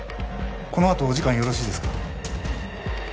このあとお時間よろしいですか？